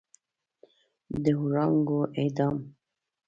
د وړانګو اعدام